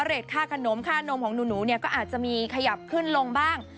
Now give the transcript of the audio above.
ค่าขนมค่านมของหนูเนี่ยก็อาจจะมีขยับขึ้นลงบ้าง